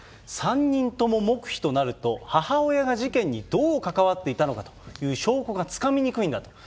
３人とも黙秘となると、母親が事件にどう関わっていたのかという証拠がつかみにくいんだと。